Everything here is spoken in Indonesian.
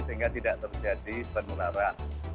sehingga tidak terjadi penularan